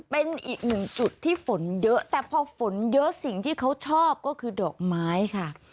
เป็นอีกหนึ่งจุดที่ฝนเยอะแต่พอฝนเยอะสิ่งที่เขาชอบก็คือดอกไม้ค่ะ